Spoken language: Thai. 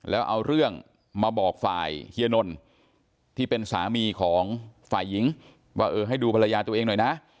แล้วเอาเรื่องมาบอกฝ่ายเฮียนนท์ที่เป็นสามีของฝ่ายหญิงว่าเออให้ดูภรรยาตัวเองหน่อยนะ